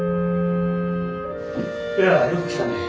やあよく来たね。